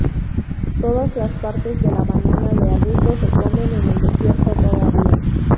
Todas las partes de la banana de arbusto se comen en el desierto todavía.